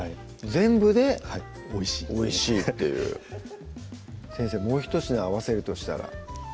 全部でおいしいっていう先生もうひと品合わせるとしたら？